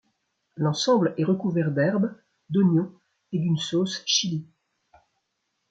L'ensemble est recouvert d'herbes, d'oignons et d'une sauce chili.